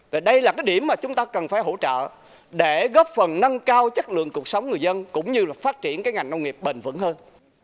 và đây là cái điểm mà chúng ta cần phải hỗ trợ để góp phần nâng cao chất lượng cuộc sống người dân cũng như là phát triển cái ngành nông nghiệp bền vững hơn